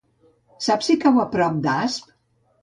Saps si cau a prop d'Asp?